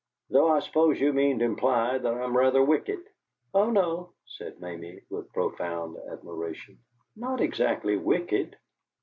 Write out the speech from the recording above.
"Though I suppose you mean to imply that I'm rather wicked." "Oh no," said Mamie, with profound admiration, "not exactly wicked."